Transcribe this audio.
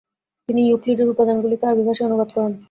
তিনি ইউক্লিডের উপাদানগুলিকে আরবি ভাষায় অনুবাদ করেন।